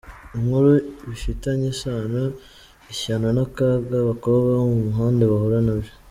Inkuru bifitanye isano: Ishyano n’akaga abakobwa bo mu muhanda bahura nabyo.